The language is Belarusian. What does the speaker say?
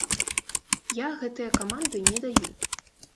Я гэтыя каманды не даю.